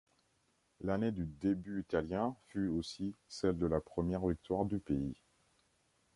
L'année du début italien fut aussi celle de la première victoire du pays.